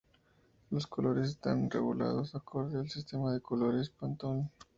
Los colores están regulados acorde al sistema de colores de Pantone.